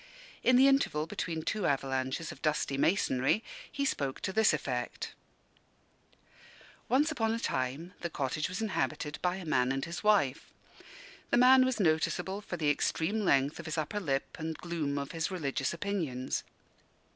In the interval between two avalanches of dusty masonry, he spoke to this effect: Once upon a time the cottage was inhabited by a man and his wife. The man was noticeable for the extreme length of his upper lip and gloom of his religious opinions.